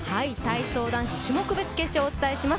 体操男子種目別決勝お伝えします。